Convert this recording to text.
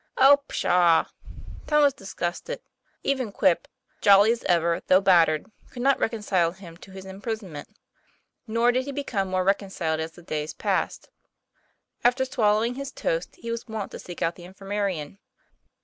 "Oh, pshaw!" Tom was disgusted. Even Quip, jolly as ever, though battered, could not reconcile him to his im prisonment. Nor did he become more reconciled as the days passed. After swallowing his toast, he was wont to seek out the infirmarian.